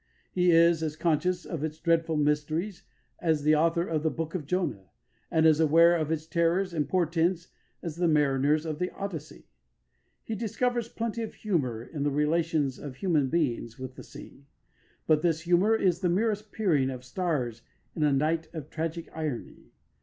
He is as conscious of its dreadful mysteries as the author of the Book of Jonah, and as aware of its terrors and portents as the mariners of the Odyssey. He discovers plenty of humour in the relations of human beings with the sea, but this humour is the merest peering of stars in a night of tragic irony.